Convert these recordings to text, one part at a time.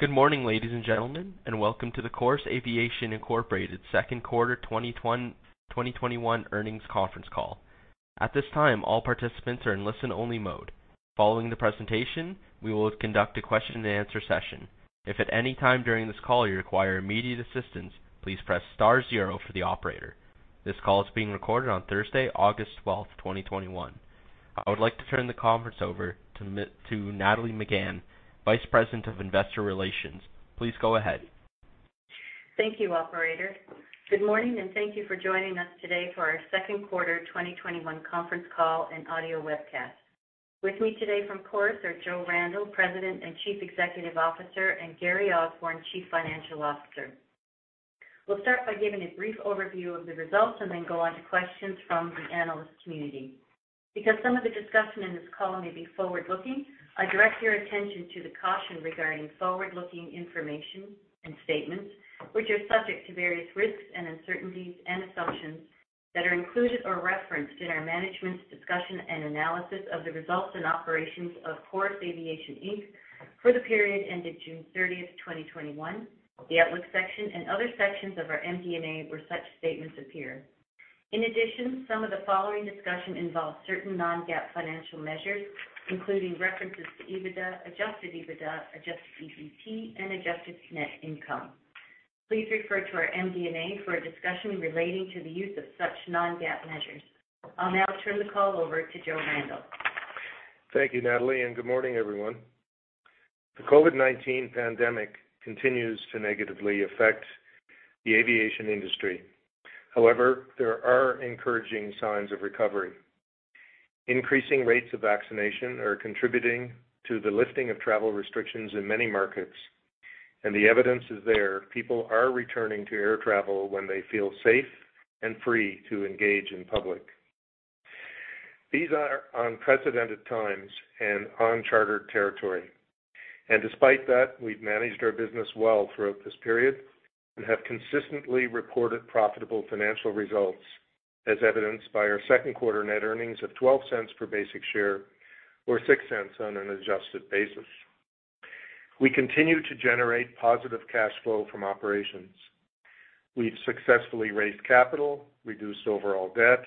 Good morning, ladies and gentlemen, and welcome to the Chorus Aviation Inc.'s second quarter 2021 earnings conference call. At this time, all participants are in listen-only mode. Following the presentation, we will conduct a question-and-answer session. If at any time during this call you require immediate assistance, please press star zero for the operator. This call is being recorded on Thursday, August 12th, 2021. I would like to turn the conference over to Nathalie Megann, Vice President of Investor Relations. Please go ahead. Thank you, Operator. Good morning, and thank you for joining us today for our second quarter 2021 conference call and audio webcast. With me today from Chorus are Joe Randell, President and Chief Executive Officer, and Gary Osborne, Chief Financial Officer. We'll start by giving a brief overview of the results and then go on to questions from the analyst community. Because some of the discussion in this call may be forward-looking, I direct your attention to the caution regarding forward-looking information and statements, which are subject to various risks and uncertainties and assumptions that are included or referenced in our management's discussion and analysis of the results and operations of Chorus Aviation Inc. for the period ended June 30th, 2021. The outlook section and other sections of our MD&A where such statements appear. In addition, some of the following discussion involves certain non-GAAP financial measures, including references to EBITDA, adjusted EBITDA, adjusted EBT, and adjusted net income. Please refer to our MD&A for a discussion relating to the use of such non-GAAP measures. I'll now turn the call over to Joe Randell. Thank you, Nathalie, and good morning, everyone. The COVID-19 pandemic continues to negatively affect the aviation industry. However, there are encouraging signs of recovery. Increasing rates of vaccination are contributing to the lifting of travel restrictions in many markets, and the evidence is there, people are returning to air travel when they feel safe and free to engage in public. These are unprecedented times and uncharted territory. Despite that, we've managed our business well throughout this period and have consistently reported profitable financial results, as evidenced by our second quarter net earnings of 0.12 per basic share or 0.06 on an adjusted basis. We continue to generate positive cash flow from operations. We've successfully raised capital, reduced overall debt,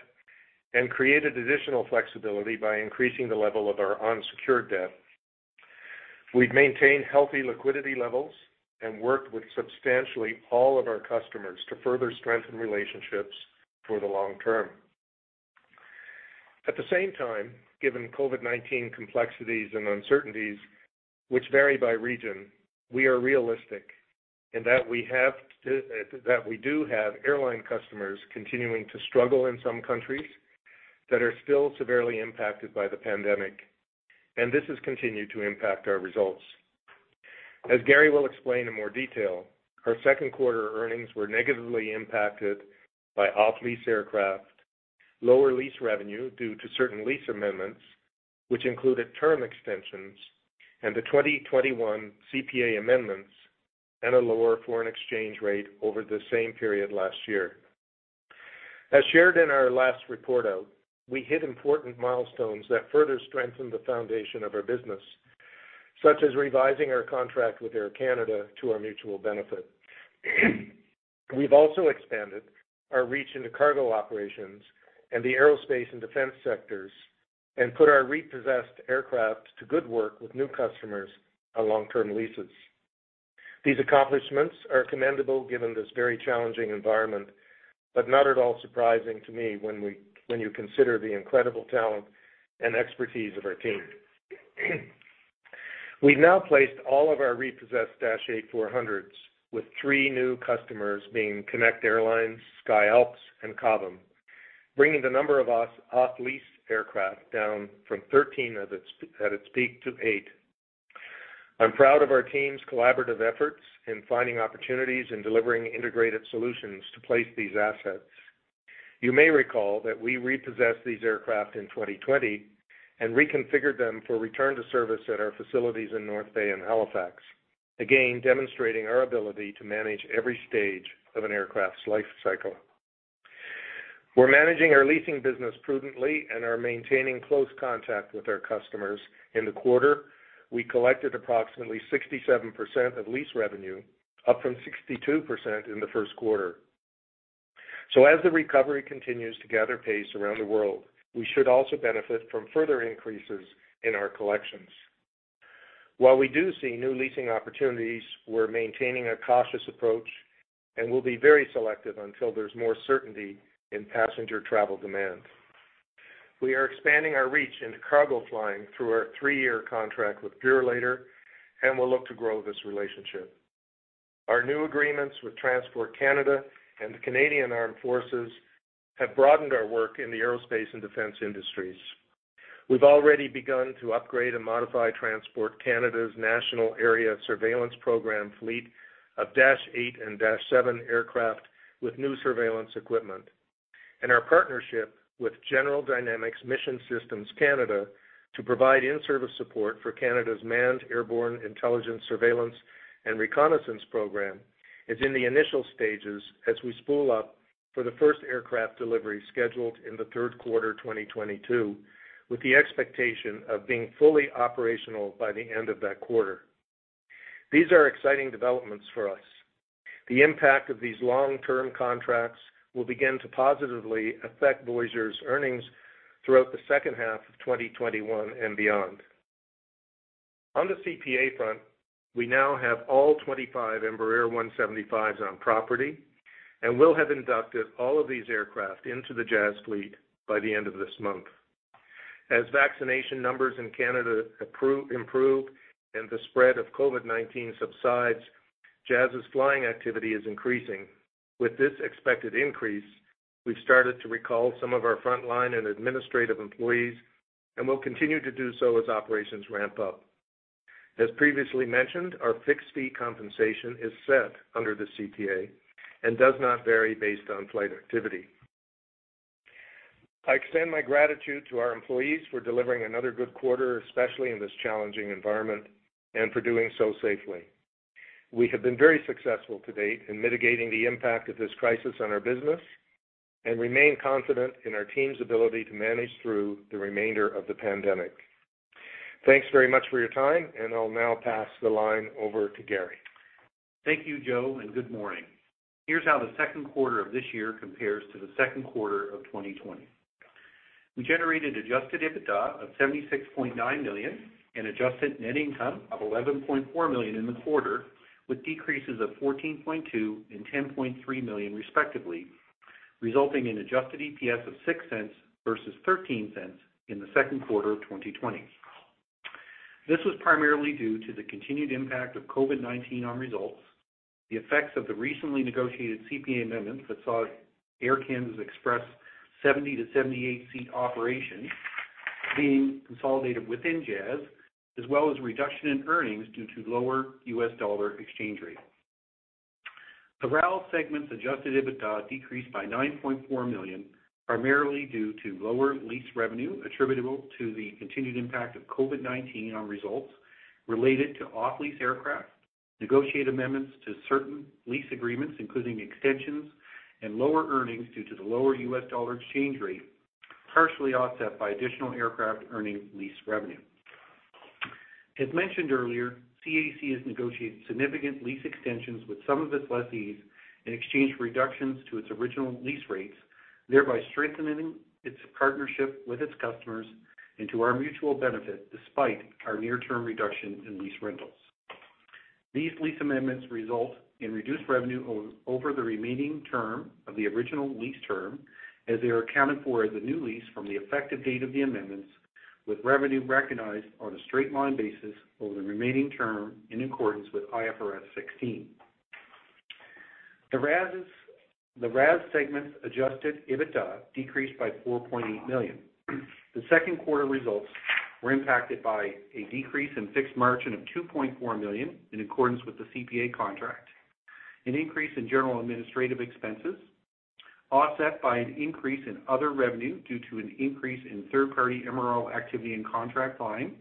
and created additional flexibility by increasing the level of our unsecured debt. We've maintained healthy liquidity levels and worked with substantially all of our customers to further strengthen relationships for the long term. At the same time, given COVID-19 complexities and uncertainties, which vary by region, we are realistic in that we do have airline customers continuing to struggle in some countries that are still severely impacted by the pandemic, and this has continued to impact our results. As Gary will explain in more detail, our second quarter earnings were negatively impacted by off-lease aircraft, lower lease revenue due to certain lease amendments, which included term extensions and the 2021 CPA amendments, and a lower foreign exchange rate over the same period last year. As shared in our last report out, we hit important milestones that further strengthened the foundation of our business, such as revising our contract with Air Canada to our mutual benefit. We've also expanded our reach into cargo operations and the aerospace and defense sectors and put our repossessed aircraft to good work with new customers on long-term leases. These accomplishments are commendable given this very challenging environment, but not at all surprising to me when you consider the incredible talent and expertise of our team. We've now placed all of our repossessed Dash 8-400s, with three new customers being Connect Airlines, SkyAlps, and Cobham, bringing the number of off-lease aircraft down from 13 at its peak to eight. I'm proud of our team's collaborative efforts in finding opportunities and delivering integrated solutions to place these assets. You may recall that we repossessed these aircraft in 2020 and reconfigured them for return to service at our facilities in North Bay and Halifax, again demonstrating our ability to manage every stage of an aircraft's life cycle. We're managing our leasing business prudently and are maintaining close contact with our customers. In the quarter, we collected approximately 67% of lease revenue, up from 62% in the first quarter. So, as the recovery continues to gather pace around the world, we should also benefit from further increases in our collections. While we do see new leasing opportunities, we're maintaining a cautious approach and will be very selective until there's more certainty in passenger travel demand. We are expanding our reach into cargo flying through our three-year contract with Purolator, and we'll look to grow this relationship. Our new agreements with Transport Canada and the Canadian Armed Forces have broadened our work in the aerospace and defense industries. We've already begun to upgrade and modify Transport Canada's National Aerial Surveillance Program fleet of Dash 8 and Dash 7 aircraft with new surveillance equipment. Our partnership with General Dynamics Mission Systems-Canada to provide in-service support for Canada's manned airborne intelligence surveillance and reconnaissance program is in the initial stages as we spool up for the first aircraft delivery scheduled in the third quarter 2022, with the expectation of being fully operational by the end of that quarter. These are exciting developments for us. The impact of these long-term contracts will begin to positively affect Voyager's earnings throughout the second half of 2021 and beyond. On the CPA front, we now have all 25 Embraer 175s on property, and we'll have inducted all of these aircraft into the Jazz fleet by the end of this month. As vaccination numbers in Canada improve and the spread of COVID-19 subsides, Jazz's flying activity is increasing. With this expected increase, we've started to recall some of our frontline and administrative employees, and we'll continue to do so as operations ramp up. As previously mentioned, our fixed fee compensation is set under the CPA and does not vary based on flight activity. I extend my gratitude to our employees for delivering another good quarter, especially in this challenging environment, and for doing so safely. We have been very successful to date in mitigating the impact of this crisis on our business and remain confident in our team's ability to manage through the remainder of the pandemic. Thanks very much for your time, and I'll now pass the line over to Gary. Thank you, Joe, and good morning. Here's how the second quarter of this year compares to the second quarter of 2020. We generated Adjusted EBITDA of 76.9 million and Adjusted Net Income of 11.4 million in the quarter, with decreases of 14.2 million and 10.3 million, respectively, resulting in Adjusted EPS of 0.06 versus 0.13 in the second quarter of 2020. This was primarily due to the continued impact of COVID-19 on results, the effects of the recently negotiated CPA amendments that saw Air Canada Express 70 seat-78 seat operation being consolidated within Jazz, as well as reduction in earnings due to lower U.S. dollar exchange rate. The RAL segment's adjusted EBITDA decreased by 9.4 million, primarily due to lower lease revenue attributable to the continued impact of COVID-19 on results related to off-lease aircraft, negotiated amendments to certain lease agreements, including extensions and lower earnings due to the lower U.S. dollar exchange rate, partially offset by additional aircraft earning lease revenue. As mentioned earlier, CAC has negotiated significant lease extensions with some of its lessees in exchange for reductions to its original lease rates, thereby strengthening its partnership with its customers and to our mutual benefit despite our near-term reduction in lease rentals. These lease amendments result in reduced revenue over the remaining term of the original lease term, as they are accounted for as a new lease from the effective date of the amendments, with revenue recognized on a straight-line basis over the remaining term in accordance with IFRS 16. The RAS segment's adjusted EBITDA decreased by 4.8 million. The second quarter results were impacted by a decrease in fixed margin of 2.4 million in accordance with the CPA contract, an increase in general administrative expenses offset by an increase in other revenue due to an increase in third-party MRO activity in contract line,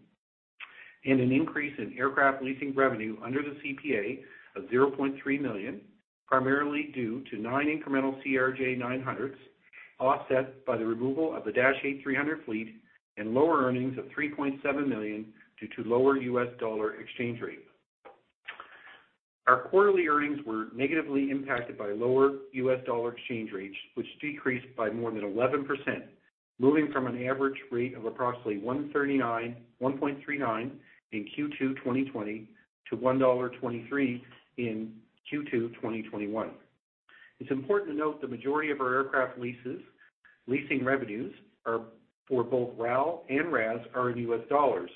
and an increase in aircraft leasing revenue under the CPA of 0.3 million, primarily due to 9 incremental CRJ900s offset by the removal of the Dash 8-300 fleet and lower earnings of 3.7 million due to lower U.S. dollar exchange rate. Our quarterly earnings were negatively impacted by lower U.S. dollar exchange rates, which decreased by more than 11%, moving from an average rate of approximately 1.39 in Q2 2020 to 1.23 dollar in Q2 2021. It's important to note the majority of our aircraft leasing revenues are for both RAL and RAS are in U.S. dollars,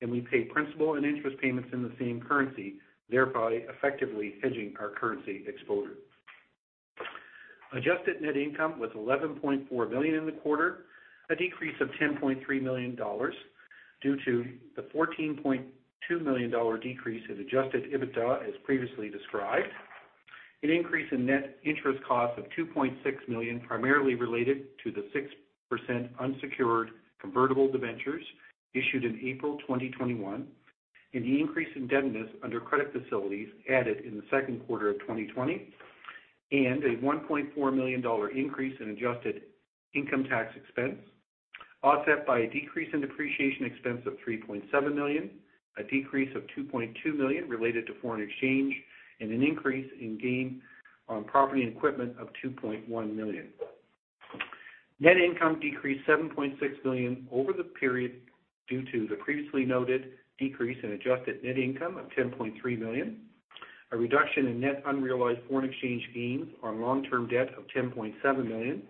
and we pay principal and interest payments in the same currency, thereby effectively hedging our currency exposure. Adjusted Net Income was 11.4 million in the quarter, a decrease of 10.3 million dollars due to the 14.2 million dollar decrease in Adjusted EBITDA, as previously described. An increase in net interest costs of 2.6 million, primarily related to the 6% unsecured convertible debentures issued in April 2021, and the increase in debt under credit facilities added in the second quarter of 2020, and a 1.4 million dollar increase in adjusted income tax expense offset by a decrease in depreciation expense of 3.7 million, a decrease of 2.2 million related to foreign exchange, and an increase in gain on property and equipment of 2.1 million. Net income decreased 7.6 million over the period due to the previously noted decrease in adjusted net income of 10.3 million, a reduction in net unrealized foreign exchange gains on long-term debt of 10.7 million,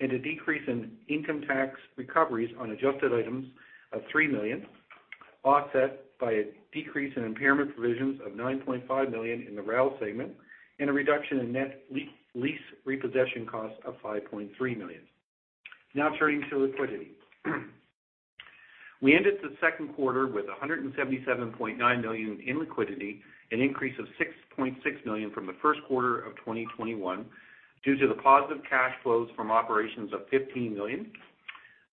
and a decrease in income tax recoveries on adjusted items of 3 million offset by a decrease in impairment provisions of 9.5 million in the RAL segment and a reduction in net lease repossession costs of 5.3 million. Now turning to liquidity. We ended the second quarter with 177.9 million in liquidity, an increase of 6.6 million from the first quarter of 2021 due to the positive cash flows from operations of 15 million,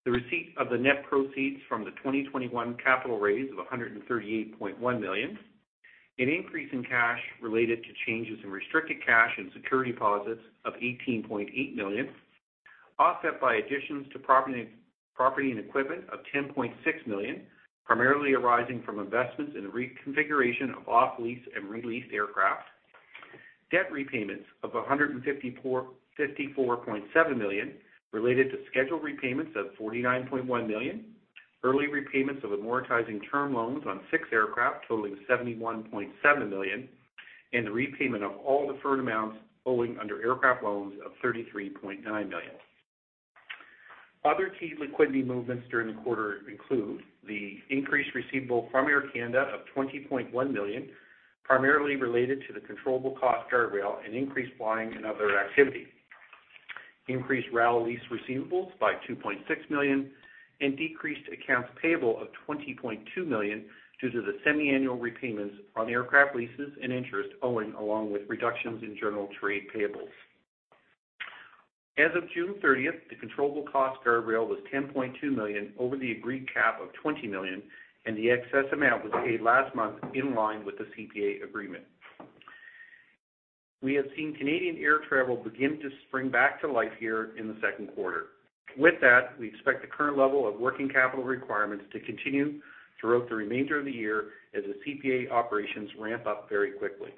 the receipt of the net proceeds from the 2021 capital raise of 138.1 million, an increase in cash related to changes in restricted cash and security deposits of 18.8 million, offset by additions to property and equipment of 10.6 million, primarily arising from investments in reconfiguration of off-lease and release aircraft, debt repayments of 154.7 million related to scheduled repayments of 49.1 million, early repayments of amortizing term loans on six aircraft totaling 71.7 million, and the repayment of all deferred amounts owing under aircraft loans of 33.9 million. Other key liquidity movements during the quarter include the increased receivable from Air Canada of 20.1 million, primarily related to the controllable cost guardrail and increased flying and other activity, increased RAL lease receivables by 2.6 million, and decreased accounts payable of 20.2 million due to the semi-annual repayments on aircraft leases and interest owing along with reductions in general trade payables. As of June 30th, the controllable cost guardrail was 10.2 million over the agreed cap of 20 million, and the excess amount was paid last month in line with the CPA agreement. We have seen Canadian air travel begin to spring back to life here in the second quarter. With that, we expect the current level of working capital requirements to continue throughout the remainder of the year as the CPA operations ramp up very quickly.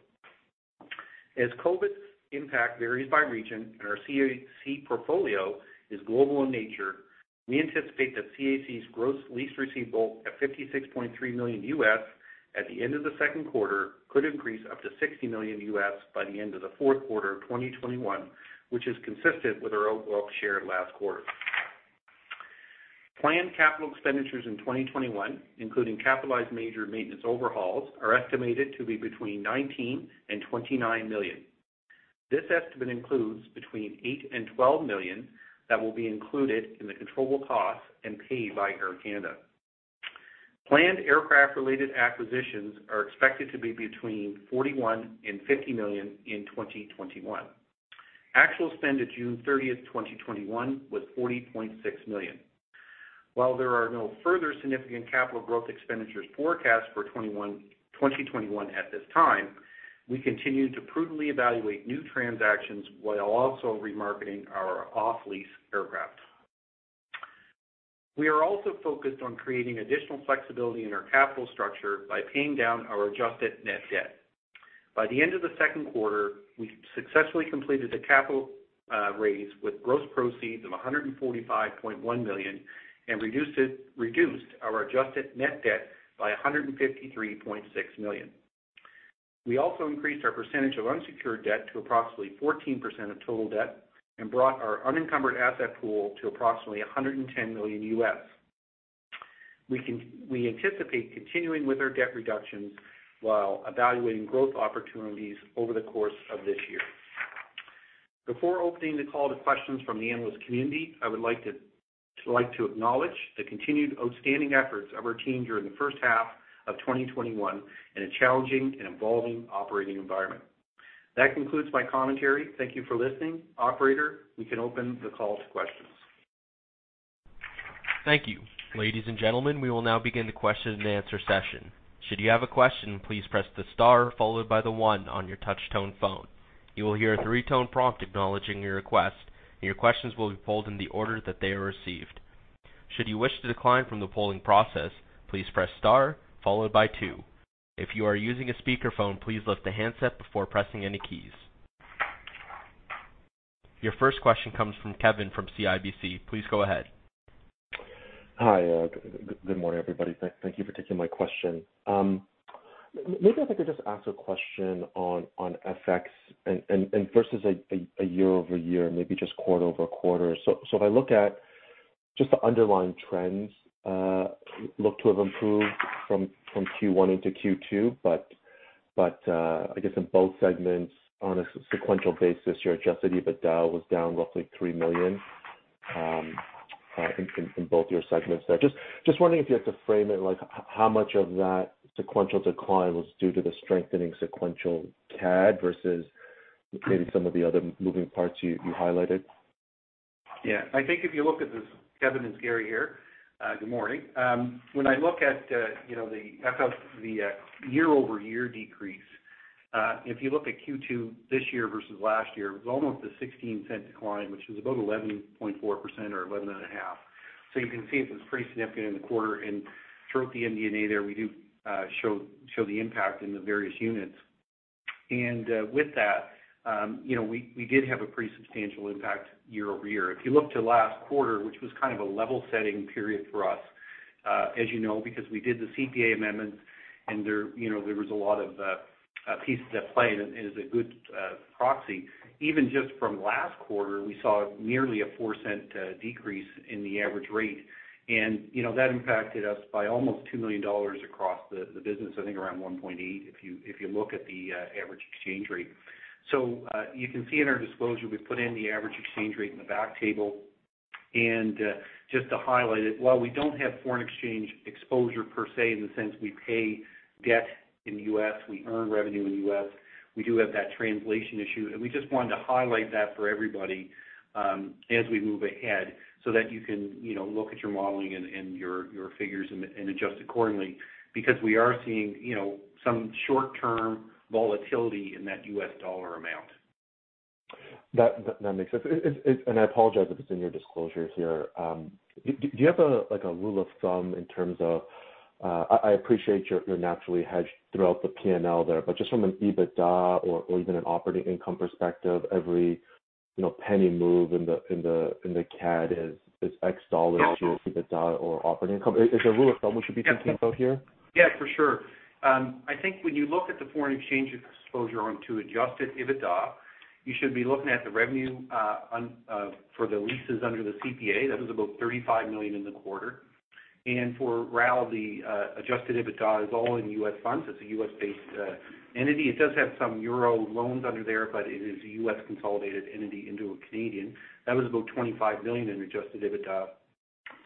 As COVID impact varies by region and our CAC portfolio is global in nature, we anticipate that CAC's gross lease receivable at 56.3 million at the end of the second quarter could increase up to 60 million by the end of the fourth quarter of 2021, which is consistent with our overall share last quarter. Planned capital expenditures in 2021, including capitalized major maintenance overhauls, are estimated to be between 19 million and 29 million. This estimate includes between 8 million and 12 million that will be included in the controllable costs and paid by Air Canada. Planned aircraft-related acquisitions are expected to be between 41 million and 50 million in 2021. Actual spend at June 30th, 2021, was 40.6 million. While there are no further significant capital growth expenditures forecast for 2021 at this time, we continue to prudently evaluate new transactions while also remarketing our off-lease aircraft. We are also focused on creating additional flexibility in our capital structure by paying down our adjusted net debt. By the end of the second quarter, we successfully completed a capital raise with gross proceeds of 145.1 million and reduced our adjusted net debt by 153.6 million. We also increased our percentage of unsecured debt to approximately 14% of total debt and brought our unencumbered asset pool to approximately 110 million. We anticipate continuing with our debt reductions while evaluating growth opportunities over the course of this year. Before opening the call to questions from the analyst community, I would like to acknowledge the continued outstanding efforts of our team during the first half of 2021 in a challenging and evolving operating environment. That concludes my commentary. Thank you for listening. Operator, we can open the call to questions. Thank you. Ladies and gentlemen, we will now begin the question-and-answer session. Should you have a question, please press the star followed by the one on your touch-tone phone. You will hear a three-tone prompt acknowledging your request, and your questions will be polled in the order that they are received. Should you wish to decline from the polling process, please press star followed by two. If you are using a speakerphone, please lift the handset before pressing any keys. Your first question comes from Kevin from CIBC. Please go ahead. Hi, good morning, everybody. Thank you for taking my question. Maybe I'd like to just ask a question on FX, and versus a year-over-year, maybe just quarter-over-quarter. So if I look at just the underlying trends, look to have improved from Q1 into Q2, but I guess in both segments, on a sequential basis, your Adjusted EBITDA was down roughly 3 million in both your segments. Just wondering if you had to frame it, how much of that sequential decline was due to the strengthening sequential CAD versus maybe some of the other moving parts you highlighted? Yeah. I think if you look at this, Kevin, it's Gary here. Good morning. When I look at the year-over-year decrease, if you look at Q2 this year versus last year, it was almost a 0.16 decline, which was about 11.4% or 11.5%. So you can see it was pretty significant in the quarter. And throughout the MD&A there, we do show the impact in the various units. And with that, we did have a pretty substantial impact year-over-year. If you look to last quarter, which was kind of a level-setting period for us, as you know, because we did the CPA amendments and there was a lot of pieces at play, and it is a good proxy. Even just from last quarter, we saw nearly a 0.04 decrease in the average rate. That impacted us by almost 2 million dollars across the business, I think around 1.8 million if you look at the average exchange rate. You can see in our disclosure, we put in the average exchange rate in the back table. Just to highlight it, while we don't have foreign exchange exposure per se in the sense we pay debt in the U.S., we earn revenue in the U.S., we do have that translation issue. We just wanted to highlight that for everybody as we move ahead so that you can look at your modeling and your figures and adjust accordingly because we are seeing some short-term volatility in that U.S. dollar amount. That makes sense. I apologize if it's in your disclosure here. Do you have a rule of thumb in terms of, I appreciate you're naturally hedged throughout the P&L there, but just from an EBITDA or even an operating income perspective, every penny move in the CAD is X dollars to your EBITDA or operating income? Is there a rule of thumb we should be thinking about here? Yeah, for sure. I think when you look at the foreign exchange exposure onto Adjusted EBITDA, you should be looking at the revenue for the leases under the CPA. That was about 35 million in the quarter. And for RAL, the Adjusted EBITDA is all in U.S. funds. It's a U.S.-based entity. It does have some euro loans under there, but it is a U.S. consolidated entity into a Canadian. That was about 25 million in Adjusted EBITDA.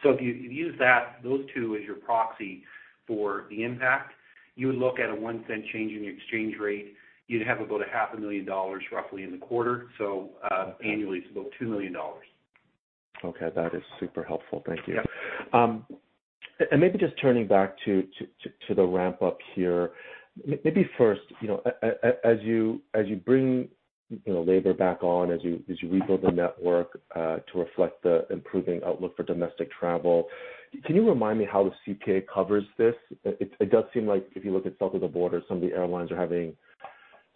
So if you use those two as your proxy for the impact, you would look at a 1-cent change in your exchange rate. You'd have about 0.5 million dollars roughly in the quarter. So annually, it's about 2 million dollars. Okay. That is super helpful. Thank you. And maybe just turning back to the ramp-up here, maybe first, as you bring labor back on, as you rebuild the network to reflect the improving outlook for domestic travel, can you remind me how the CPA covers this? It does seem like if you look at south of the border, some of the airlines are having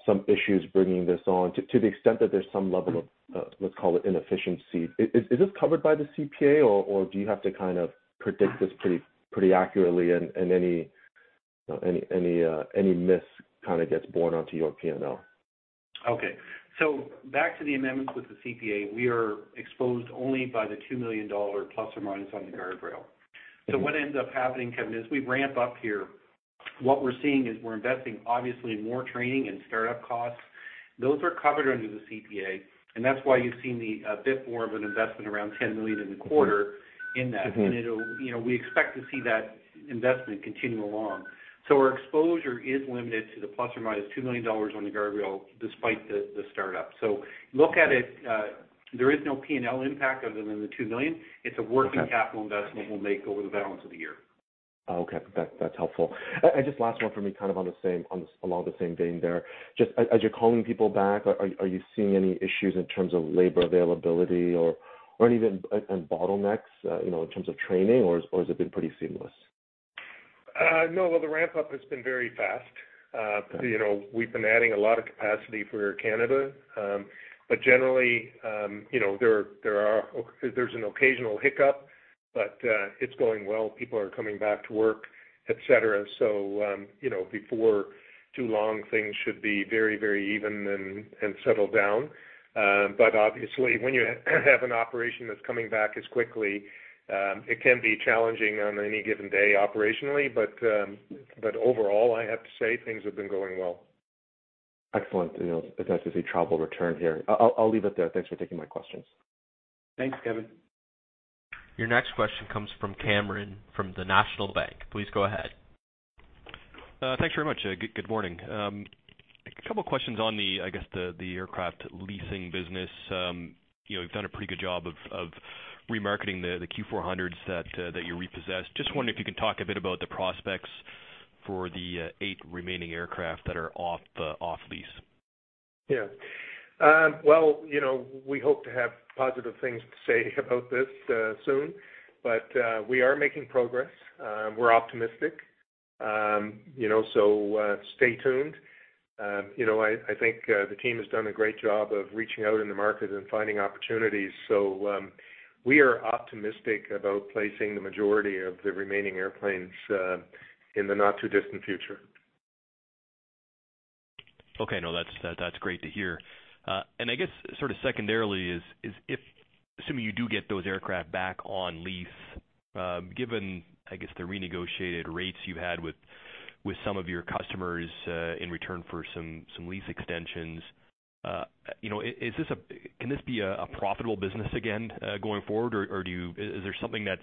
some issues bringing this on to the extent that there's some level of, let's call it, inefficiency. Is this covered by the CPA, or do you have to kind of predict this pretty accurately and any miss kind of gets borne onto your P&L? Okay. So back to the amendments with the CPA, we are exposed only by the ± 2 million dollar on the guardrail. So what ends up happening, Kevin, is we ramp up here. What we're seeing is we're investing, obviously, in more training and startup costs. Those are covered under the CPA. And that's why you've seen a bit more of an investment around 10 million in the quarter in that. And we expect to see that investment continue along. So our exposure is limited to the ± 2 million dollars on the guardrail despite the startup. So look at it. There is no P&L impact other than the 2 million. It's a working capital investment we'll make over the balance of the year. Okay. That's helpful. Just last one for me kind of along the same vein there. Just as you're calling people back, are you seeing any issues in terms of labor availability or even bottlenecks in terms of training, or has it been pretty seamless? No. Well, the ramp-up has been very fast. We've been adding a lot of capacity for Air Canada. But generally, there's an occasional hiccup, but it's going well. People are coming back to work, etc. So before too long, things should be very, very even and settle down. But obviously, when you have an operation that's coming back as quickly, it can be challenging on any given day operationally. But overall, I have to say things have been going well. Excellent. As I say, travel return here. I'll leave it there. Thanks for taking my questions. Thanks, Kevin. Your next question comes from Cameron from National Bank Financial. Please go ahead. Thanks very much. Good morning. A couple of questions on the, I guess, the aircraft leasing business. You've done a pretty good job of remarketing the Q400s that you repossessed. Just wondering if you can talk a bit about the prospects for the eight remaining aircraft that are off-lease? Yeah. Well, we hope to have positive things to say about this soon, but we are making progress. We're optimistic. So stay tuned. I think the team has done a great job of reaching out in the market and finding opportunities. So we are optimistic about placing the majority of the remaining airplanes in the not-too-distant future. Okay. No, that's great to hear. And I guess sort of secondarily, assuming you do get those aircraft back on lease, given, I guess, the renegotiated rates you've had with some of your customers in return for some lease extensions, can this be a profitable business again going forward, or is there something that's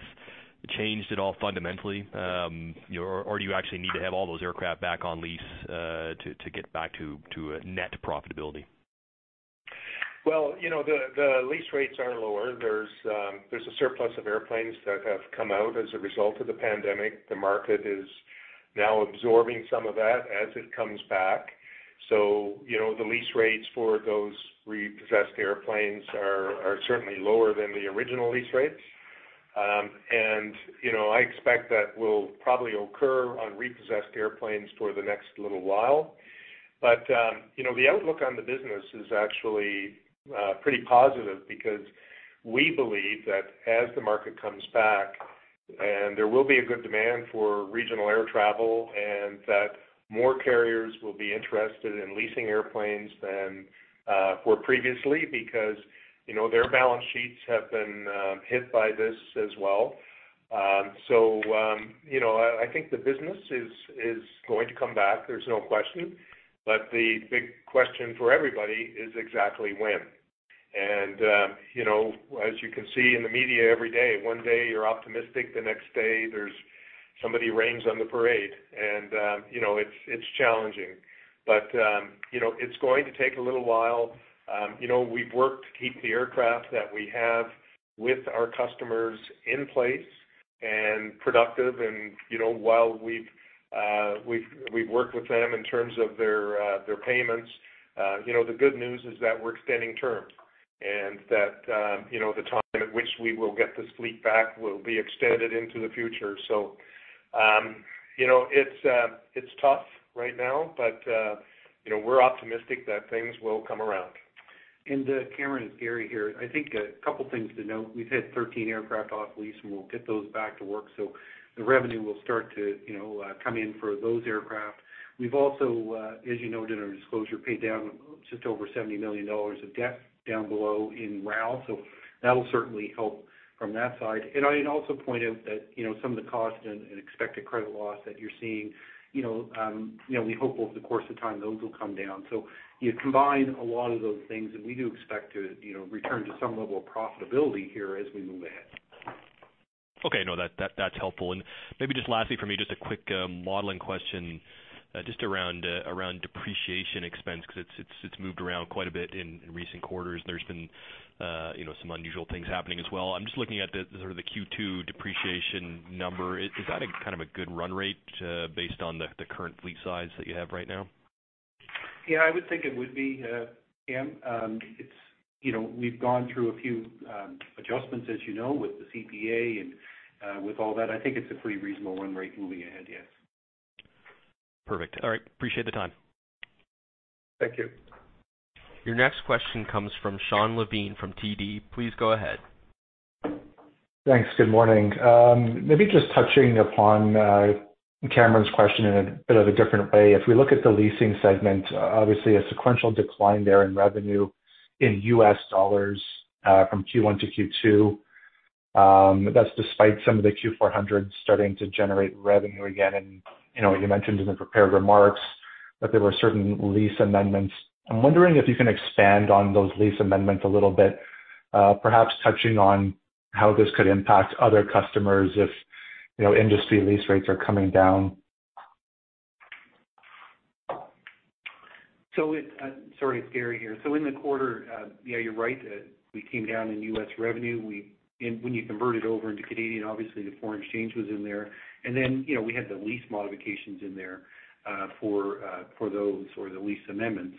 changed at all fundamentally, or do you actually need to have all those aircraft back on lease to get back to net profitability? Well, the lease rates are lower. There's a surplus of airplanes that have come out as a result of the pandemic. The market is now absorbing some of that as it comes back. So the lease rates for those repossessed airplanes are certainly lower than the original lease rates. And I expect that will probably occur on repossessed airplanes for the next little while. But the outlook on the business is actually pretty positive because we believe that as the market comes back, there will be a good demand for regional air travel and that more carriers will be interested in leasing airplanes than previously because their balance sheets have been hit by this as well. So I think the business is going to come back. There's no question. But the big question for everybody is exactly when. As you can see in the media every day, one day you're optimistic, the next day somebody rains on the parade. It's challenging. It's going to take a little while. We've worked to keep the aircraft that we have with our customers in place and productive. While we've worked with them in terms of their payments, the good news is that we're extending terms and that the time at which we will get this fleet back will be extended into the future. It's tough right now, but we're optimistic that things will come around. Cameron, it's Gary here. I think a couple of things to note. We've had 13 aircraft off-lease, and we'll get those back to work. So the revenue will start to come in for those aircraft. We've also, as you noted in our disclosure, paid down just over 70 million dollars of debt down below in RAL. So that'll certainly help from that side. And I'd also point out that some of the cost and expected credit loss that you're seeing, we hope over the course of time those will come down. So you combine a lot of those things, and we do expect to return to some level of profitability here as we move ahead. Okay. No, that's helpful. And maybe just lastly for me, just a quick modeling question just around depreciation expense because it's moved around quite a bit in recent quarters. There's been some unusual things happening as well. I'm just looking at sort of the Q2 depreciation number. Is that kind of a good run rate based on the current fleet size that you have right now? Yeah, I would think it would be, Cam. We've gone through a few adjustments, as you know, with the CPA and with all that. I think it's a pretty reasonable run rate moving ahead, yes. Perfect. All right. Appreciate the time. Thank you. Your next question comes from Shawn Levine from TD. Please go ahead. Thanks. Good morning. Maybe just touching upon Cameron's question in a bit of a different way. If we look at the leasing segment, obviously a sequential decline there in revenue in U.S. dollars from Q1 to Q2. That's despite some of the Q400s starting to generate revenue again. And you mentioned in the prepared remarks that there were certain lease amendments. I'm wondering if you can expand on those lease amendments a little bit, perhaps touching on how this could impact other customers if industry lease rates are coming down. Sorry, it's Gary here. So in the quarter, yeah, you're right. We came down in U.S. revenue. And when you converted over into Canadian, obviously the foreign exchange was in there. And then we had the lease modifications in there for those or the lease amendments.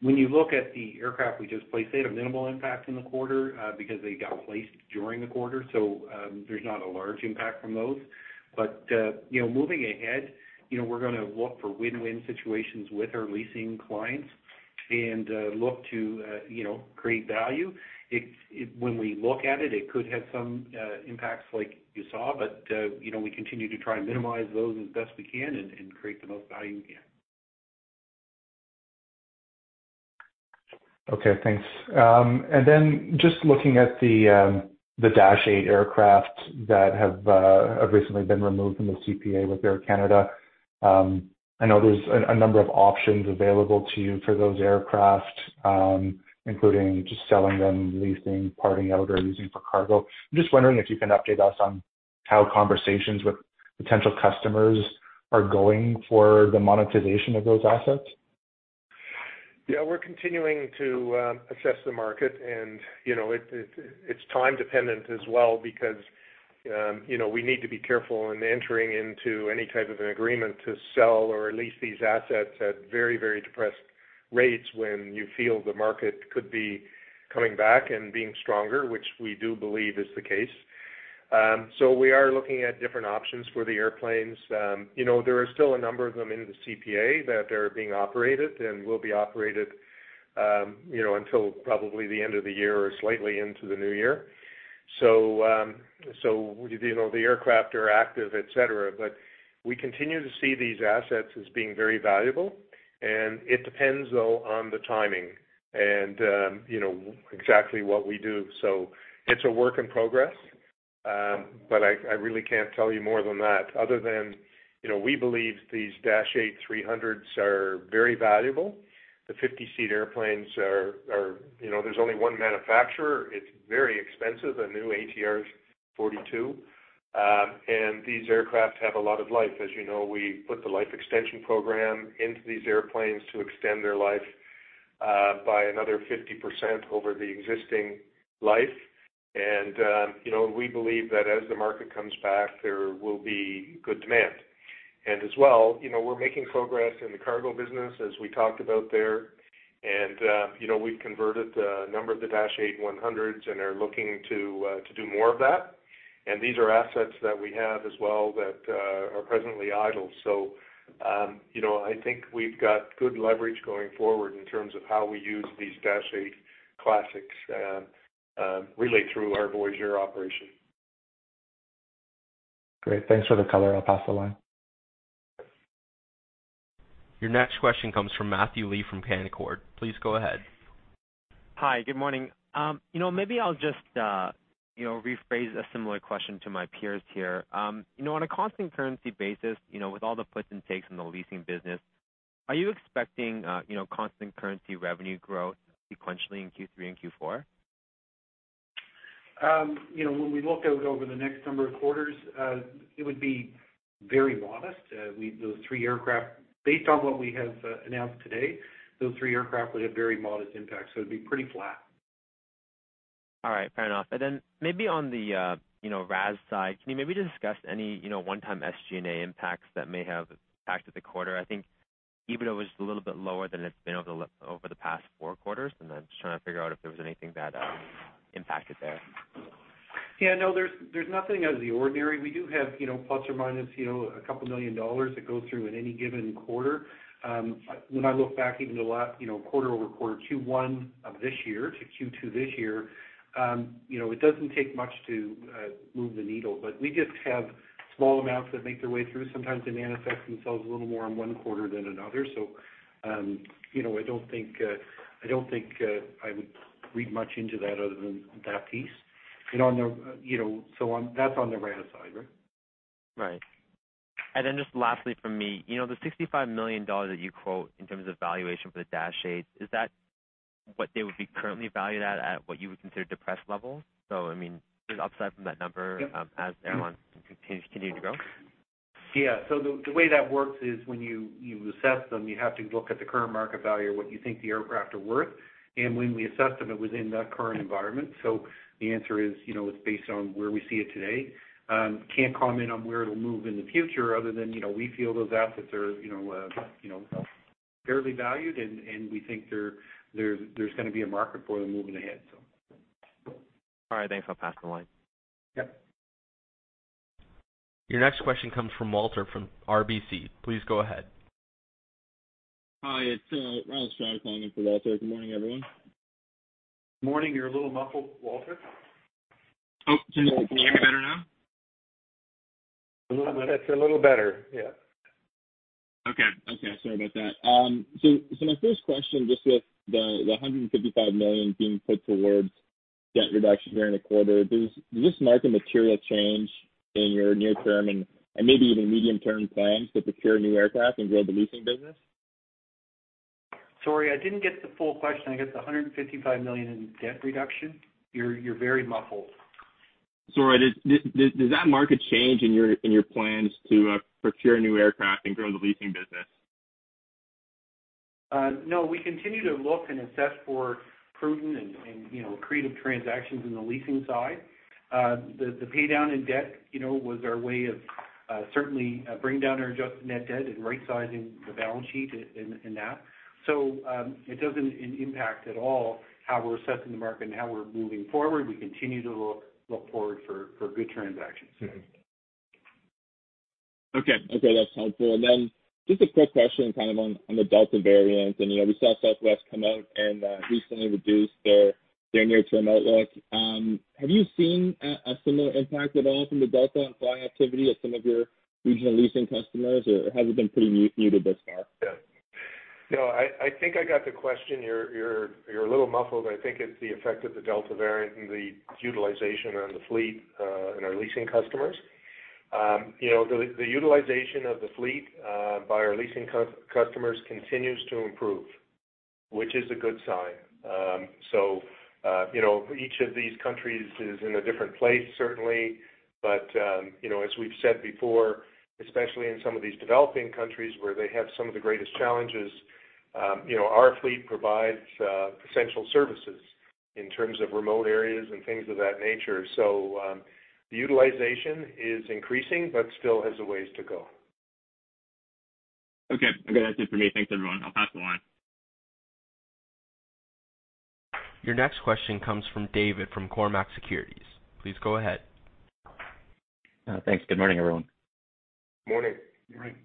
When you look at the aircraft we just placed, they had a minimal impact in the quarter because they got placed during the quarter. So there's not a large impact from those. But moving ahead, we're going to look for win-win situations with our leasing clients and look to create value. When we look at it, it could have some impacts like you saw, but we continue to try and minimize those as best we can and create the most value we can. Okay. Thanks. Then just looking at the Dash 8 aircraft that have recently been removed from the CPA with Air Canada, I know there's a number of options available to you for those aircraft, including just selling them, leasing, parting out, or using for cargo. I'm just wondering if you can update us on how conversations with potential customers are going for the monetization of those assets? Yeah. We're continuing to assess the market. It's time-dependent as well because we need to be careful in entering into any type of an agreement to sell or lease these assets at very, very depressed rates when you feel the market could be coming back and being stronger, which we do believe is the case. We are looking at different options for the airplanes. There are still a number of them in the CPA that are being operated and will be operated until probably the end of the year or slightly into the new year. The aircraft are active, etc. But we continue to see these assets as being very valuable. It depends, though, on the timing and exactly what we do. So it's a work in progress, but I really can't tell you more than that other than we believe these Dash 8-300s are very valuable. The 50-seat airplanes, there's only one manufacturer. It's very expensive, a new ATR 42. And these aircraft have a lot of life. As you know, we put the life extension program into these airplanes to extend their life by another 50% over the existing life. And we believe that as the market comes back, there will be good demand. And as well, we're making progress in the cargo business, as we talked about there. And we've converted a number of the Dash 8-100s and are looking to do more of that. And these are assets that we have as well that are presently idle. I think we've got good leverage going forward in terms of how we use these Dash 8 Classics really through our Voyager operation. Great. Thanks for the color. I'll pass the line. Your next question comes from Matthew Lee from Canaccord Genuity. Please go ahead. Hi. Good morning. Maybe I'll just rephrase a similar question to my peers here. On a cost and currency basis, with all the puts and takes in the leasing business, are you expecting cost and currency revenue growth sequentially in Q3 and Q4? When we look over the next number of quarters, it would be very modest. Those three aircraft, based on what we have announced today, those three aircraft would have very modest impacts. So it'd be pretty flat. All right. Fair enough. And then maybe on the RAS side, can you maybe discuss any one-time SG&A impacts that may have impacted the quarter? I think EBITDA was a little bit lower than it's been over the past four quarters. And I'm just trying to figure out if there was anything that impacted there. Yeah. No, there's nothing out of the ordinary. We do have ±2 million dollars that go through in any given quarter. When I look back even to quarter-over-quarter Q1 of this year to Q2 this year, it doesn't take much to move the needle. But we just have small amounts that make their way through. Sometimes they manifest themselves a little more in one quarter than another. So I don't think I would read much into that other than that piece. So that's on the RAS side, right? Right. And then just lastly from me, the 65 million dollars that you quote in terms of valuation for the Dash 8, is that what they would be currently valued at, at what you would consider depressed level? So I mean, upside from that number as airlines continue to grow? Yeah. So the way that works is when you assess them, you have to look at the current market value or what you think the aircraft are worth. And when we assess them, it was in that current environment. So the answer is it's based on where we see it today. Can't comment on where it'll move in the future other than we feel those assets are fairly valued, and we think there's going to be a market for them moving ahead, so. All right. Thanks. I'll pass the line. Your next question comes from Walter from RBC. Please go ahead. Hi. It's. Good morning, everyone. Morning. You're a little muffled, Walter. Oh, can you hear me better now? A little bit. It's a little better. Yeah. Okay. Okay. Sorry about that. So my first question, just with the 155 million being put towards debt reduction here in the quarter, does this mark a material change in your near-term and maybe even medium-term plans to procure new aircraft and grow the leasing business? Sorry, I didn't get the full question. I guess the 155 million in debt reduction, you're very muffled. Sorry. Does that mark a change in your plans to procure new aircraft and grow the leasing business? No. We continue to look and assess for prudent and creative transactions in the leasing side. The pay down in debt was our way of certainly bringing down our adjusted net debt and right-sizing the balance sheet in that. So it doesn't impact at all how we're assessing the market and how we're moving forward. We continue to look forward for good transactions. Okay. Okay. That's helpful. And then just a quick question kind of on the Delta variant. And we saw Southwest come out and recently reduced their near-term outlook. Have you seen a similar impact at all from the Delta on flying activity at some of your regional leasing customers, or have you been pretty muted thus far? No. I think I got the question. You're a little muffled. I think it's the effect of the Delta variant and the utilization on the fleet and our leasing customers. The utilization of the fleet by our leasing customers continues to improve, which is a good sign. So each of these countries is in a different place, certainly. But as we've said before, especially in some of these developing countries where they have some of the greatest challenges, our fleet provides essential services in terms of remote areas and things of that nature. So the utilization is increasing, but still has a ways to go. Okay. Okay. That's it for me. Thanks, everyone. I'll pass the line. Your next question comes from David from Cormark Securities. Please go ahead. Thanks. Good morning, everyone. Morning. Morning.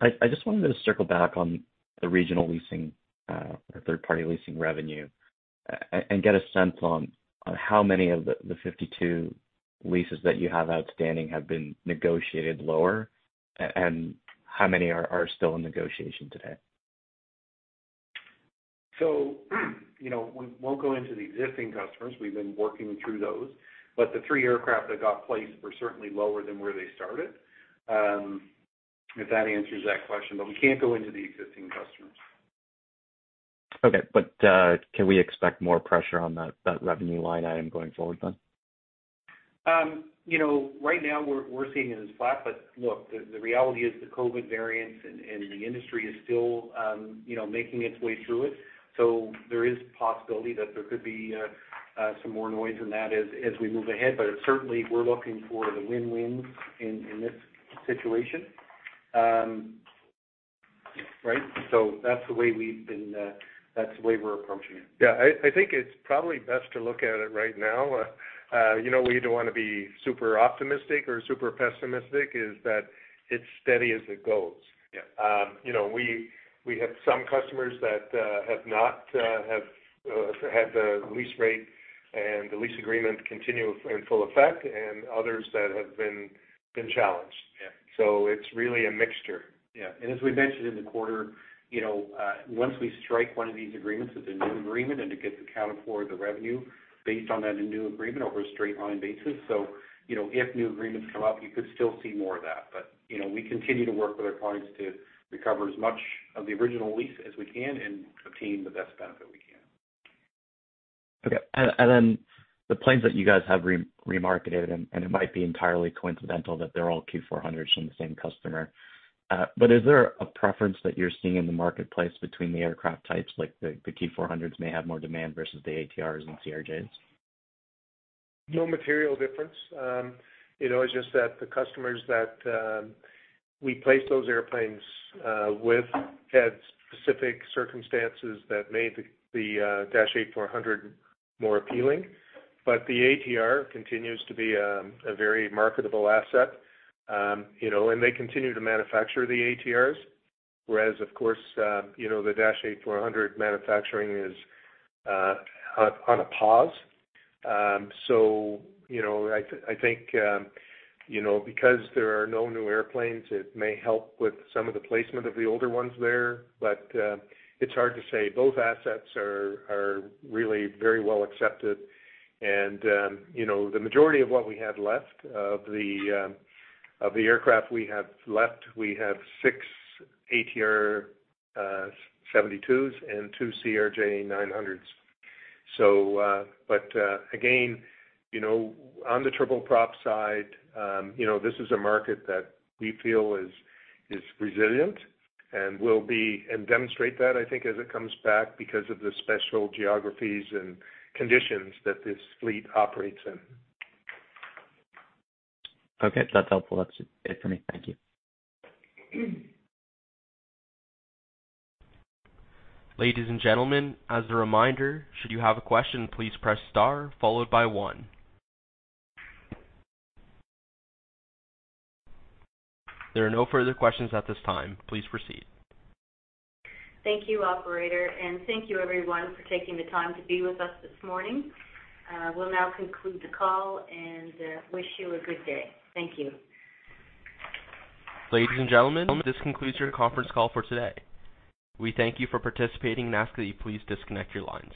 I just wanted to circle back on the regional leasing or third-party leasing revenue and get a sense on how many of the 52 leases that you have outstanding have been negotiated lower and how many are still in negotiation today? We won't go into the existing customers. We've been working through those. But the three aircraft that got placed were certainly lower than where they started, if that answers that question. But we can't go into the existing customers. Okay. But can we expect more pressure on that revenue line item going forward then? Right now, we're seeing it as flat. But look, the reality is the COVID variants and the industry is still making its way through it. So there is possibility that there could be some more noise in that as we move ahead. But certainly, we're looking for the win-wins in this situation, right? So that's the way we've been, that's the way we're approaching it. Yeah. I think it's probably best to look at it right now. We don't want to be super optimistic or super pessimistic. That is, it's steady as it goes. We have some customers that have not had the lease rate and the lease agreement continue in full effect and others that have been challenged. So it's really a mixture. Yeah. As we mentioned in the quarter, once we strike one of these agreements as a new agreement and it gets accounted for the revenue based on that new agreement over a straight-line basis. If new agreements come up, you could still see more of that. We continue to work with our clients to recover as much of the original lease as we can and obtain the best benefit we can. Okay. And then the planes that you guys have remarketed, and it might be entirely coincidental that they're all Q400s from the same customer. But is there a preference that you're seeing in the marketplace between the aircraft types? Like the Q400s may have more demand versus the ATRs and CRJs? No material difference. It's just that the customers that we placed those airplanes with had specific circumstances that made the Dash 8-400 more appealing. But the ATR continues to be a very marketable asset. And they continue to manufacture the ATRs, whereas, of course, the Dash 8-400 manufacturing is on a pause. So I think because there are no new airplanes, it may help with some of the placement of the older ones there. But it's hard to say. Both assets are really very well accepted. And the majority of what we have left of the aircraft we have left, we have 6 ATR 72s and 2 CRJ900s. But again, on the turboprop side, this is a market that we feel is resilient and will be and demonstrate that, I think, as it comes back because of the special geographies and conditions that this fleet operates in. Okay. That's helpful. That's it for me. Thank you. Ladies and gentlemen, as a reminder, should you have a question, please press star followed by one. There are no further questions at this time. Please proceed. Thank you, operator. Thank you, everyone, for taking the time to be with us this morning. We'll now conclude the call and wish you a good day. Thank you. Ladies and gentlemen, this concludes your conference call for today. We thank you for participating and ask that you please disconnect your lines.